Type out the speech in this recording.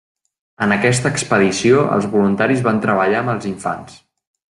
En aquesta expedició, els voluntaris van treballar amb els infants.